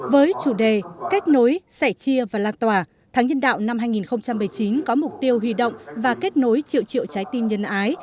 với chủ đề kết nối sẻ chia và lan tòa tháng nhân đạo năm hai nghìn một mươi chín có mục tiêu huy động và kết nối triệu triệu trái tim nhân ái